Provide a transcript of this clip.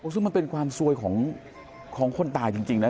ซึ่งมันเป็นความซวยของคนตายจริงนะ